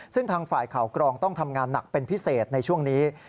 ซึ่งทางฝ่ายข่าวกรองต้องทำงานหนักเป็นพิเศษในช่วงนี้